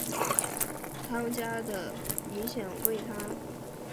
汤加的影响为他将波利尼西亚的习俗和一些语言带入斐济。